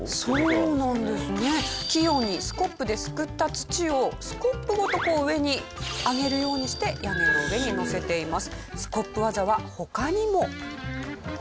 器用にスコップですくった土をスコップごとこう上に上げるようにして屋根の上にのせています。